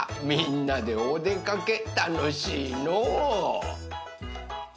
みんなでおでかけたのしいのう。